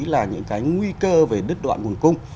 là những cái nguy cơ về đứt đoạn nguồn cung